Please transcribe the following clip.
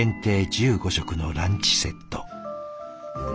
１５食のランチセット。